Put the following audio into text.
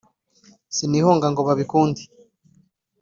Sinihonga ngo babikunde